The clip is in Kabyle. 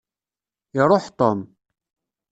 Iruḥ Tom.